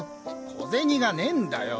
小銭がねぇんだよ。